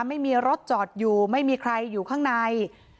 ไม่มีรถจอดอยู่ไม่มีใครอยู่ข้างใน